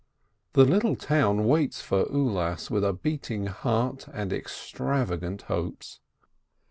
The little town waits for Ulas with a beating heart and extrava gant hopes.